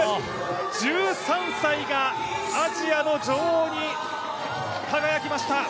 １３歳がアジアの女王に輝きました！